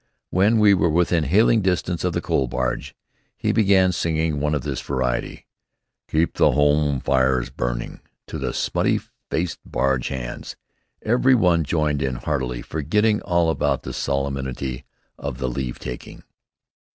When we were within hailing distance of the coal barge, he began singing one of this variety, "Keep the Home Fires Burning," to those smutty faced barge hands. Every one joined in heartily, forgetting all about the solemnity of the leave taking.